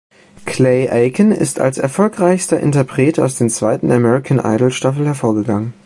Clay Aiken ist als erfolgreichster Interpret aus der zweiten American-Idol-Staffel hervorgegangen.